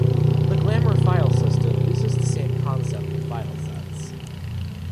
The glamor filesystem uses the same concept of filesets.